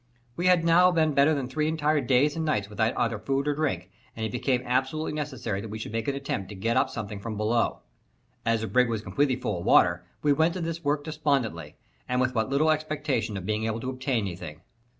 We had now been better than three entire days and nights without either food or drink, and it became absolutely necessary that we should make an attempt to get up something from below. As the brig was completely full of water, we went to this work despondently, and with but little expectation of being able to obtain anything.